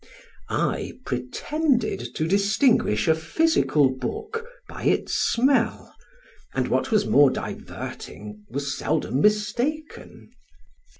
I pretended to distinguish a physical book by its smell, and what was more diverting, was seldom mistaken.